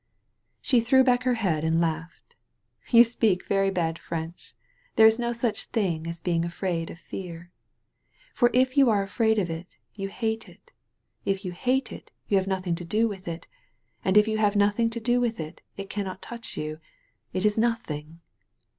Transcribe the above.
She threw back her head and laughed. ''You speak very bad French. There is no such thing as being afraid of fear. For if you are afraid of it, you hate it. If you hate it, you wUl have nothing to do with it. And if you have nothing to do with it, it cannot touch you; it is nothing."